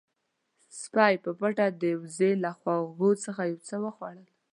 سپی په پټه د وزې له خواږو څخه یو څه وخوړل.